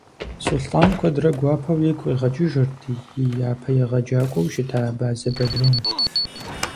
Сулътӏан куэдрэ гуапэу игу къигъэкӏыжырт и япэ егъэджакӏуэу щыта Абазэ Бадрун.